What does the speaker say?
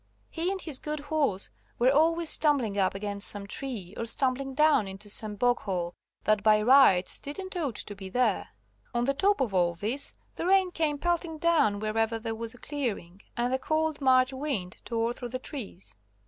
He and his good horse were always stumbling up against some tree or stumbling down into some bog hole that by rights didn't ought to be there. On the top of all this the rain came pelting down wherever there was a clearing, and the cold March wind tore through the trees.